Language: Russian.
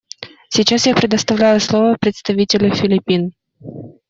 Сейчас я предоставляю слово представителю Филиппин.